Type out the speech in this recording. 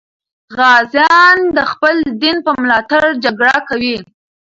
غازیان د خپل دین په ملاتړ جګړه کوي.